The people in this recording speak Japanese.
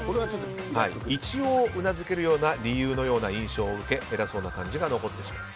一応うなずけるような理由のような印象を受け偉そうな感じが残ってしまう。